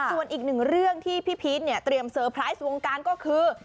ส่วนอีกหนึ่งเรื่องที่พี่พีชเนี่ยเตรียมเตอร์ไพรส์วงการก็คือ